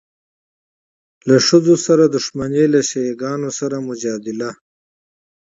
له ښځو سره دښمني، له شیعه ګانو سره مجادله.